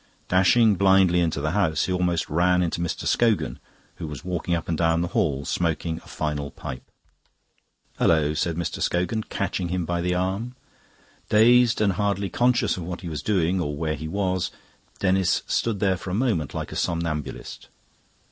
Dashing blindly into the house, he almost ran into Mr. Scogan, who was walking up and down the hall smoking a final pipe. "Hullo!" said Mr. Scogan, catching him by the arm; dazed and hardly conscious of what he was doing or where he was, Denis stood there for a moment like a somnambulist.